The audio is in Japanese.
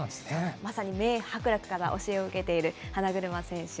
まさに名伯楽から教えを受けている花車選手。